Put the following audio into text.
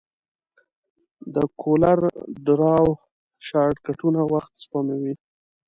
د کولر ډراو شارټکټونه وخت سپموي.